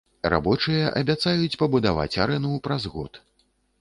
Рабочыя абяцаюць пабудаваць арэну праз год.